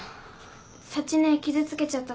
シャチ姉傷つけちゃったかも。